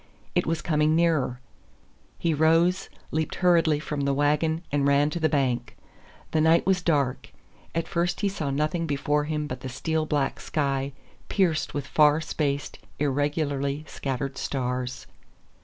It was coming nearer. He rose, leaped hurriedly from the wagon, and ran to the bank. The night was dark; at first he saw nothing before him but the steel black sky pierced with far spaced, irregularly scattered stars.